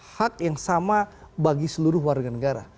hak yang sama bagi seluruh warga negara